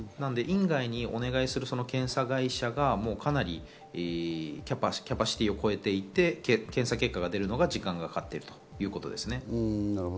院外にお願いする検査会社がキャパシティーを超えていて、検査結果が出るのが時間がかかっているということですね。